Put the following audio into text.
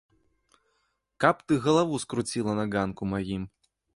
Каб ты галаву скруціла на ганку маім!